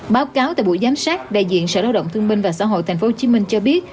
báo cáo tại buổi giám sát đại diện sở lao động thương minh và xã hội tp hcm cho biết